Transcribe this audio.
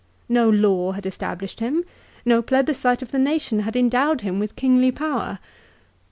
No law had established him. No plebiscite of the nation had endowed him with kingly power.